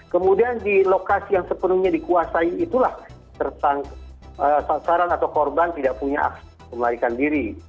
kemudian di lokasi yang sepenuhnya dikuasai itulah sasaran atau korban tidak punya akses untuk melarikan diri